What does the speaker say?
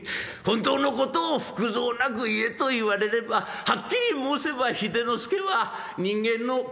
本当のことを腹蔵なく言えと言われればはっきり申せば秀之助は人間のクズでございます」。